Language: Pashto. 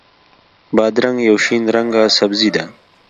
بادرنګ یو شین رنګه سبزي ده.